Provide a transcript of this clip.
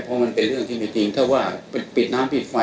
เพราะมันเป็นเรื่องที่ไม่จริงถ้าว่าปิดน้ำปิดไฟ